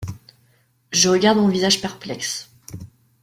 Je regarde mon visage perplexe.